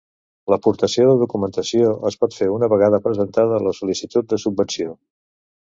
L'aportació de documentació es pot fer una vegada presentada la sol·licitud de subvenció.